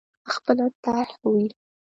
خپله طرح وي.